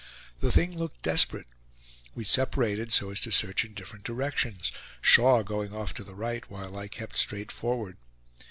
The thing looked desperate; we separated, so as to search in different directions, Shaw going off to the right, while I kept straight forward.